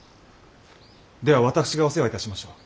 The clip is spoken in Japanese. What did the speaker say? では私がお世話いたしましょう。